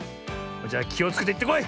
じゃあきをつけていってこい！